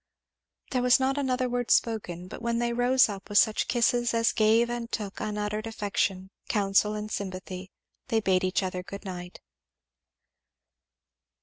There was not another word spoken, but when they rose up, with such kisses as gave and took unuttered affection, counsel and sympathy, they bade each other good night.